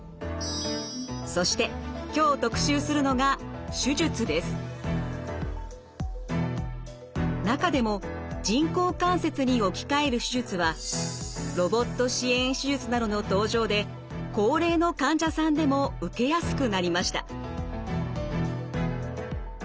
そして今日特集するのが中でも人工関節に置き換える手術はロボット支援手術などの登場で高齢の患者さんでも受けやすくなりました。